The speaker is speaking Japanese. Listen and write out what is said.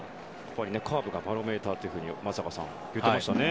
カーブがバロメーターと松坂さん、言っていましたね。